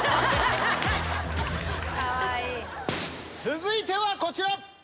続いてはこちら。